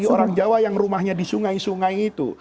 orang jawa yang rumahnya di sungai sungai itu